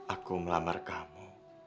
aku melamar kamu